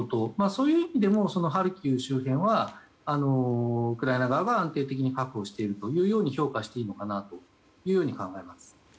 そういう意味でもハルキウ周辺はウクライナ側が安定的に確保していると評価してよいと考えます。